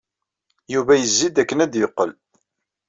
Yuba yezzi-d akken ad d-yeqqel.